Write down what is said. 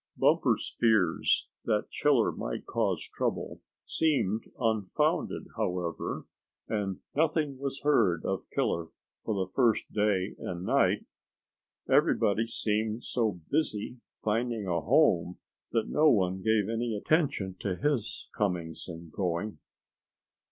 Bumper's fears that Killer might cause trouble seemed unfounded, however, and nothing was heard of Killer for the first day and night. Everybody seemed so busy finding a home that no one gave any attention to his coming and going.